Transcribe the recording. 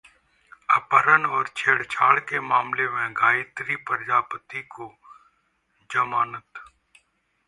अपहरण और छेड़छाड़ के मामले में गायत्री प्रजापति को जमानत